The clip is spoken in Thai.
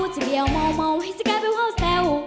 เหงาเยี่ยวเมาให้ฉะไกลแพ้ว้าวแสว